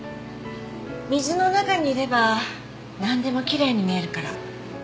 水の中にいればなんでもきれいに見えるから。